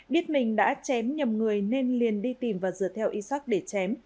biết mình đã chém nhầm người nên liền đi tìm và dựa theo isak để chém